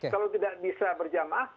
kalau tidak bisa berjamaah